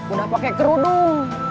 udah pake kerudung